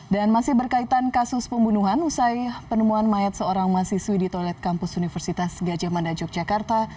dan masih berkaitan kasus pembunuhan usai penemuan mayat seorang mahasiswi di tolet kampus universitas gajah manda yogyakarta